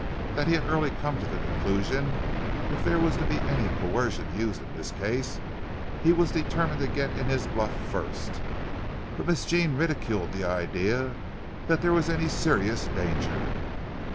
That he had early come to the conclusion if there was to be any coercion used in this case, he was determined to get in his bluff first. But Miss Jean ridiculed the idea that there was any serious danger.